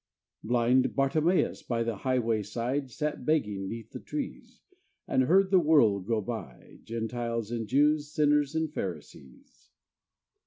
Blind Bartimeus, by the highway side, Sat begging 'neath the trees, And heard the world go by, Gentiles and Jews, Sinners and Pharisees.